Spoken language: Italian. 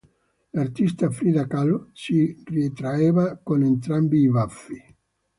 L'artista Frida Kahlo si ritraeva con entrambi i baffi.